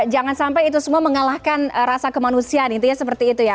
jangan sampai itu semua mengalahkan rasa kemanusiaan intinya seperti itu ya